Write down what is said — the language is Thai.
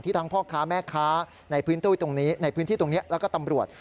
ที่ทั้งพ่อค้าแม่ค้าในพื้นที่ตรงนี้แล้วก็ตำรวจ